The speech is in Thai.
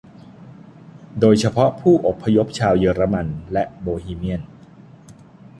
โดยเฉพาะผู้อพยพชาวเยอรมันและโบฮีเมียน